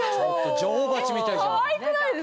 女王蜂みたいじゃん。